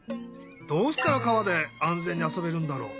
どうしたら川で安全にあそべるんだろう？